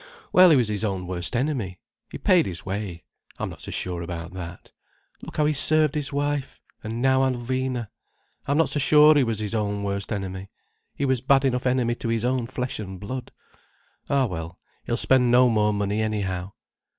Well, he was his own worst enemy. He paid his way. I'm not so sure about that. Look how he served his wife, and now Alvina. I'm not so sure he was his own worst enemy. He was bad enough enemy to his own flesh and blood. Ah well, he'll spend no more money, anyhow.